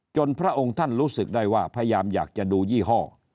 พระองค์ท่านรู้สึกได้ว่าพยายามอยากจะดูยี่ห้อ